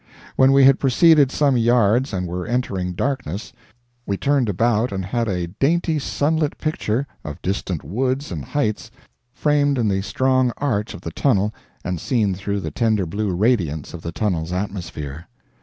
When we had proceeded some yards and were entering darkness, we turned about and had a dainty sunlit picture of distant woods and heights framed in the strong arch of the tunnel and seen through the tender blue radiance of the tunnel's atmosphere.